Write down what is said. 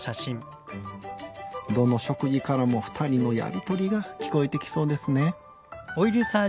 どの食事からもふたりのやり取りが聞こえてきそうですね。